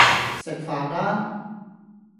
食飯啦